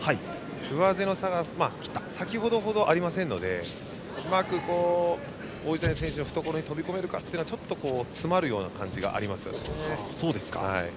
上背の差が先程ほどありませんのでうまく王子谷選手の懐に飛び込めるかということでは詰まるような感じがあります。